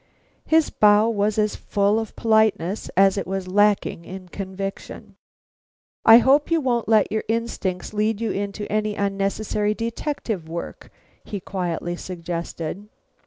His bow was as full of politeness as it was lacking in conviction. "I hope you won't let your instincts lead you into any unnecessary detective work," he quietly suggested.